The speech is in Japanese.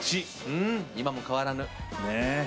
今も変わらぬ。